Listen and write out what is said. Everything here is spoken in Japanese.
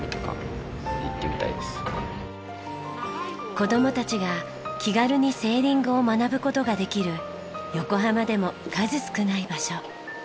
子供たちが気軽にセーリングを学ぶ事ができる横浜でも数少ない場所。